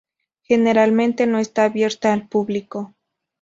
Generalmente no está abierta al público.